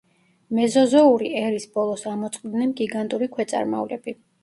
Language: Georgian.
მეზოზოური ერის ბოლოს ამოწყდნენ გიგანტური ქვეწარმავლები.